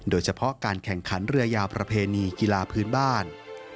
โดยเฉพาะการแข่งขันเรือยาวประเพณีกีฬาพื้นบ้าน